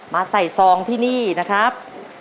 มาใส่ซองที่นี่นะครับ